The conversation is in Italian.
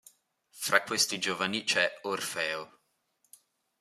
Fra questi giovani c'è Orfeo.